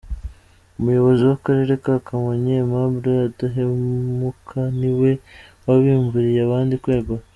Umuyobozi w’Akarere ka Kamonyi, Aimable Udahemuka, ni we wabimburiye abandi kwegura.